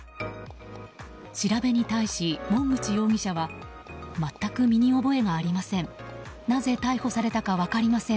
調べに対し門口容疑者は全く身に覚えがありません